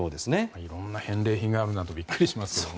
いろんな返礼品があるなとビックリしますけどね。